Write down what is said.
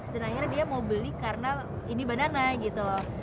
dan akhirnya dia mau beli karena ini banana gitu loh